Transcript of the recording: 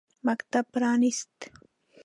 مکتب پرانیست.